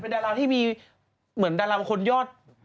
เป็นดาราวที่มีเหมือนดาราวว่าคนยอดคนนี้